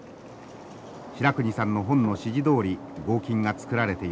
白国さんの本の指示どおり合金がつくられていきます。